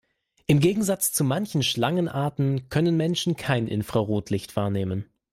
Im Gegensatz zu manchen Schlangenarten können Menschen kein Infrarotlicht wahrnehmen.